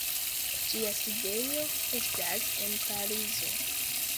Ĝia sidejo estas en Parizo.